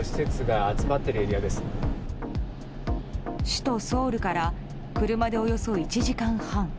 首都ソウルから車でおよそ１時間半。